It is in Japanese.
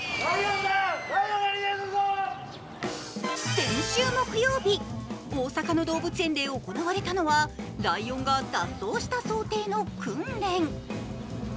先週木曜日、大阪の動物園で行われたのはライオンが脱走した想定の訓練。